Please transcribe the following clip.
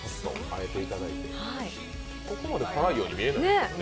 ここまで辛いように見えないですね。